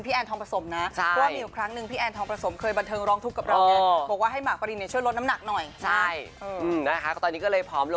พี่แวจงสอม